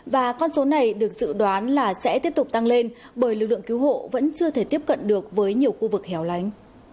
và con số này được dự đoán là sẽ tiếp tục tăng lên bởi lực lượng cứu hộ vẫn chưa thể tiếp cận được với nhiều khu vực hẻo lánh